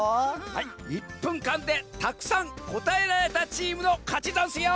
はい１ぷんかんでたくさんこたえられたチームのかちざんすよ！